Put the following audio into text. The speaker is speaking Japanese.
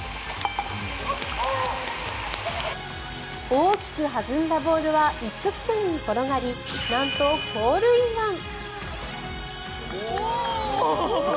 大きく弾んだボールは一直線に転がりなんとホールインワン。